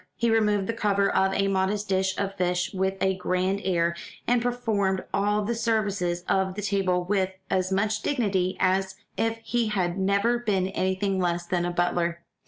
He removed the cover of a modest dish of fish with a grand air, and performed all the services of the table with as much dignity as if he had never been anything less than a butler.